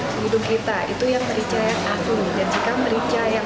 dan jika merica yang palsu dia tidak akan ada baunya sekali